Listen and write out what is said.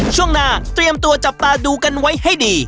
ช่วงหน้าเตรียมตัวจับตาดูกันไว้ให้ดี